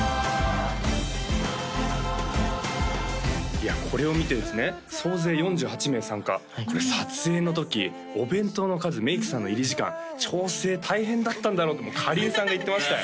いやこれを見てですね総勢４８名参加これ撮影の時お弁当の数メイクさんの入り時間調整大変だったんだろうってかりんさんが言ってましたよ